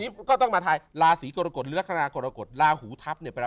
นี่ก็ต้องมาทายลาสีกรกฎหรือลักษณะกรกฎลาหูทัพ